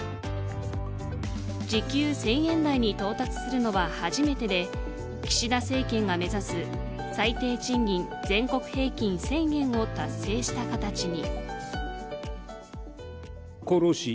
時給１０００円台に到達するのは初めてで岸田政権が目指す最低賃金全国平均１０００円を達成した形に。